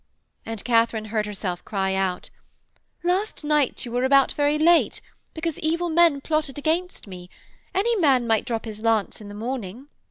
and Katharine heard herself cry out: 'Last night you were about very late because evil men plotted against me. Any man might drop his lance in the morning....'